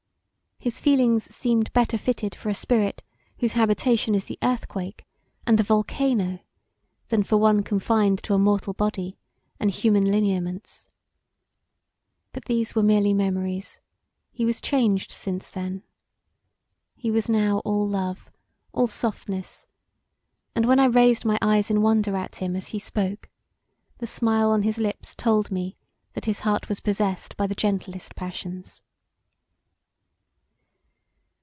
His feelings seemed better fitted for a spirit whose habitation is the earthquake and the volcano than for one confined to a mortal body and human lineaments. But these were merely memories; he was changed since then. He was now all love, all softness; and when I raised my eyes in wonder at him as he spoke the smile on his lips told me that his heart was possessed by the gentlest passions.